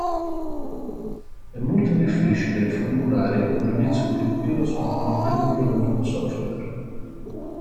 È molto difficile formulare un giudizio obiettivo sulla qualità di un prodotto software.